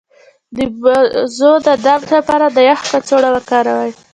د بیضو د درد لپاره د یخ کڅوړه وکاروئ